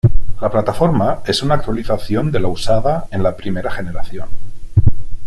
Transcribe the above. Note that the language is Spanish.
La plataforma es una actualización de la usada en la primera generación.